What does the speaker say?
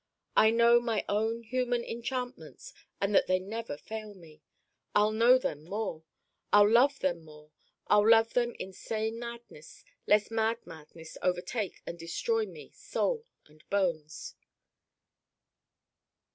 I know my own human enchantments and that they never fail me. I'll know them more! I'll love them more! I'll love them in sane madness lest mad madness overtake and destroy Me, Soul and bones.